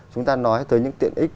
chúng ta nói tới những tiện ích